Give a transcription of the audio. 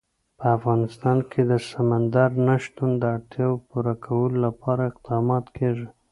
په افغانستان کې د سمندر نه شتون د اړتیاوو پوره کولو لپاره اقدامات کېږي.